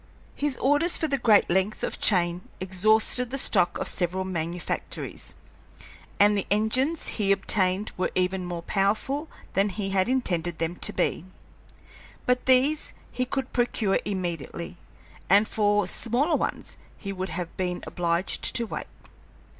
His orders for the great length of chain exhausted the stock of several manufactories, and the engines he obtained were even more powerful than he had intended them to be; but these he could procure immediately, and for smaller ones he would have been obliged to wait.